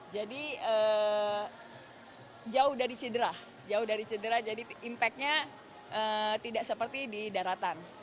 jadi jauh dari cedera jauh dari cedera jadi impactnya tidak seperti di daratan